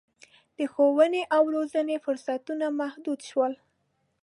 د ښوونې او روزنې فرصتونه محدود شول.